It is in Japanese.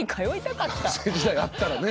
学生時代あったらね。